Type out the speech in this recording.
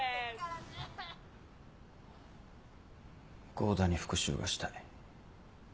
合田に復讐がしたい。